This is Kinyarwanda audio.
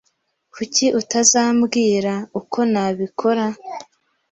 Kuki utazambwira uko nabikora?